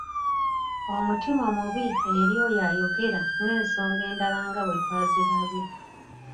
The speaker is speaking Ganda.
Omutima omubi eri oyo ayogera n’ensonga endala nga bwe twazirabye.